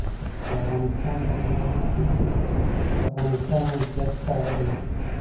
د افغانستان په منظره کې د افغانستان د موقعیت ښکاره ده.